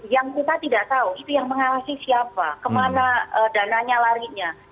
yang kita tidak tahu itu yang mengawasi siapa kemana dananya larinya